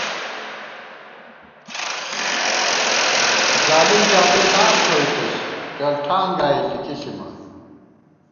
ظالم جابر نام تھوَئیتُس ، ڈل ٹھان گائی لِکی ݪِمان